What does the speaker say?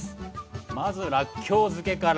まずらっきょう漬けから。